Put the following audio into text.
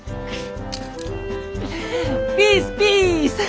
ピースピース！